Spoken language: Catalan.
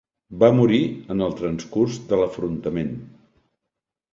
Va morir en el transcurs de l'afrontament.